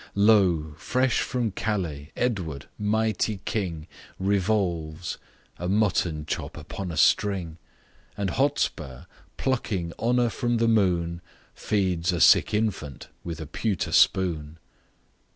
Lo! fresh from Calais, Edward, mighty king! Revolves a mutton chop upon a string! And Hotspur, plucking "honour from the moon," Feeds a sick infant with a pewter spoon!